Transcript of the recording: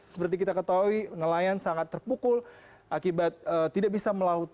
seperti kita ketahui nelayan sangat terpukul akibat tidak bisa melaut